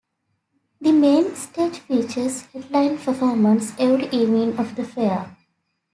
The Main Stage features headline performance every evening of the fair.